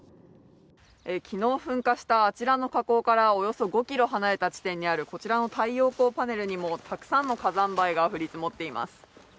昨日噴火したあちらの火口からおそよ５ｋｍ離れた地点にあるこちらの太陽光パネルにもたくさんの火山灰が降り積もっています。